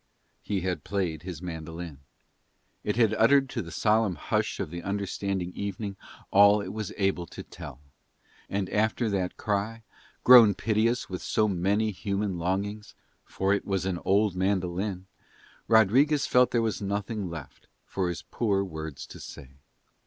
He had played his mandolin. It had uttered to the solemn hush of the understanding evening all it was able to tell; and after that cry, grown piteous with so many human longings, for it was an old mandolin, Rodriguez felt there was nothing left for his poor words to say.